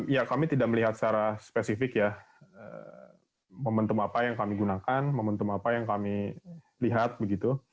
ya kami tidak melihat secara spesifik ya momentum apa yang kami gunakan momentum apa yang kami lihat begitu